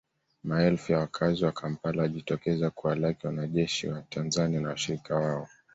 Maelfu ya wakazi wa Kampala walijitokeza kuwalaki wanajeshi wa Tanzania na washirika wao